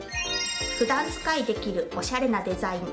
普段使いできるおしゃれなデザイン。